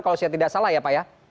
kalau saya tidak salah ya pak ya